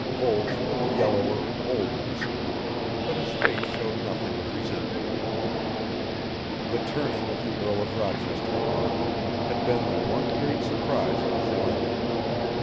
Voles looked yellower and older this morning, but his face showed nothing of resentment. The turning of the Earl of Rochester upon him had been the one great surprise of his life.